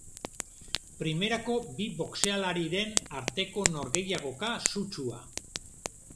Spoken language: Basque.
Primerako bi boxealariren arteko norgehiagoka sutsua.